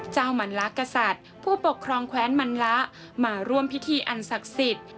มันลากกษัตริย์ผู้ปกครองแคว้นมันละมาร่วมพิธีอันศักดิ์สิทธิ์